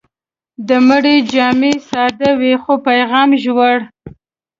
د مړي جامې ساده وي، خو پیغام ژور.